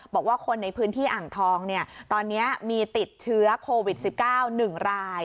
บอกว่าคนในพื้นที่อ่างทองตอนนี้มีติดเชื้อโควิด๑๙๑ราย